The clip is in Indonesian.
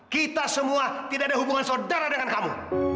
kita semua tidak ada hubungan saudara dengan kamu